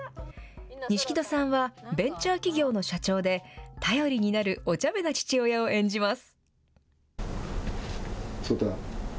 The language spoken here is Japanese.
錦戸さんはベンチャー企業の社長で、頼りになるおちゃめな父親を演じます。